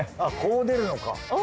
あこう出るのか。